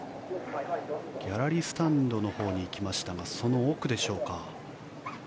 ギャラリースタンドのほうに行きましたがその奥でしょうか。